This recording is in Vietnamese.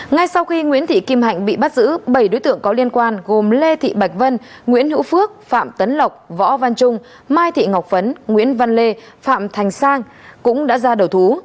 ngay sau khi nguyễn thị kim hạnh bị bắt giữ bảy đối tượng có liên quan gồm lê thị bạch vân nguyễn hữu phước phạm tấn lộc võ văn trung mai thị ngọc phấn nguyễn văn lê phạm thành sang cũng đã ra đầu thú